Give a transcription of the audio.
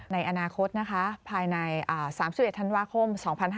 ในอนาคตภายใน๓๑ธันวาคม๒๕๖๒